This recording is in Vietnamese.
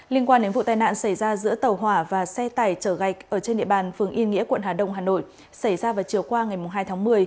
liên quan đến vụ tai nạn xảy ra giữa tàu hỏa và xe tải chở gạch ở trên địa bàn phường yên nghĩa quận hà đông hà nội xảy ra vào chiều qua ngày hai tháng một mươi